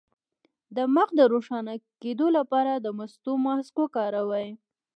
د مخ د روښانه کیدو لپاره د مستو ماسک وکاروئ